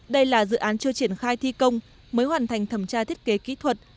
đây là dự án chưa triển khai thi công mới hoàn thành thẩm tra thiết kế kỹ thuật